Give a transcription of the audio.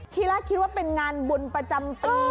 ที่แรกคิดว่าเป็นงานบุญประจำปี